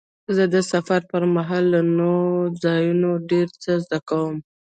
زه د سفر پر مهال له نوو ځایونو ډېر څه زده کوم.